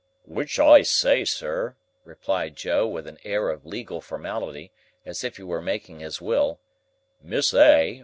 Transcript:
"Which I say, sir," replied Joe, with an air of legal formality, as if he were making his will, "Miss A.